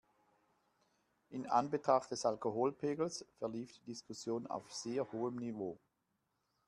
In Anbetracht des Alkoholpegels verlief die Diskussion auf sehr hohem Niveau.